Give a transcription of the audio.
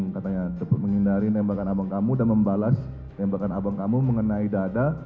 katanya dapat menghindari nembakan abang kamu dan membalas tembakan abang kamu mengenai dada